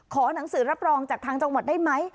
หนังสือรับรองจากทางจังหวัดได้ไหม